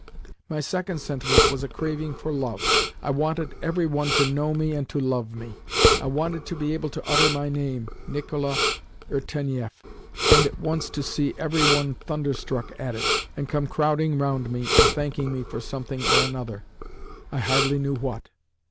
My second sentiment was a craving for love. I wanted every one to know me and to love me. I wanted to be able to utter my name Nicola Irtenieff and at once to see every one thunderstruck at it, and come crowding round me and thanking me for something or another, I hardly knew what.